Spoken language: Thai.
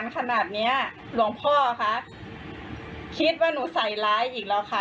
ขนาดเนี้ยหลวงพ่อคะคิดว่าหนูใส่ร้ายอีกแล้วค่ะ